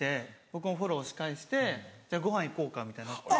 僕もフォローし返してごはん行こうかみたいになって。